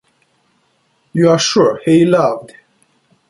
you are sure he loved.